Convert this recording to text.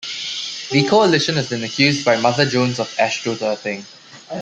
The Coalition has been accused by "Mother Jones" of astroturfing.